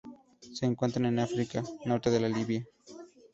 Se encuentran en África: norte de Libia.